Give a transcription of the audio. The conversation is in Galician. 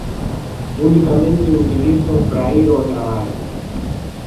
Unicamente o utilizo para ir ó traballo.